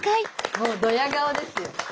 もうドヤ顔ですよ。